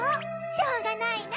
しょうがないな。